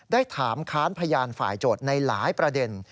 ได้ถามค้านพยานฝ่ายโจทย์ในหลายประเด็น